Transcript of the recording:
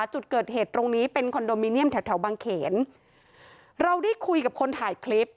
จุดเกิดเหตุตรงนี้เป็นคอนโดมิเนียมแถวแถวบางเขนเราได้คุยกับคนถ่ายคลิป